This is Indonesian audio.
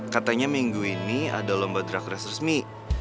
katanya minggu ini ada lomba drag race resmi